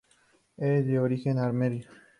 Es de origen armenio.